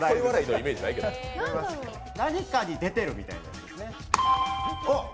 何かに出てるみたいですね。